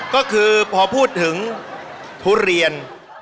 ก็คือพอพูดถึงทุเรียน